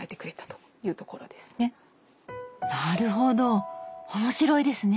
なるほど面白いですね！